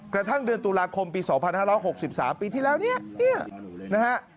กระทั่งเดือนตุลาคมปี๒๕๖๓ปีที่แล้วเนี่ยนะฮะ